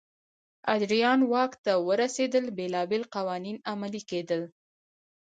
ادریان واک ته ورسېدل بېلابېل قوانین عملي کېدل.